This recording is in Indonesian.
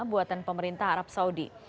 buatan pemerintah arab saudi